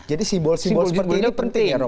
jadi simbol simbol seperti itu penting ya rom